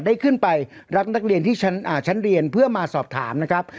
ได้ขึ้นไปรับนักเรียนที่ชั้นเรียนเพื่อมาสอบถามนะครับ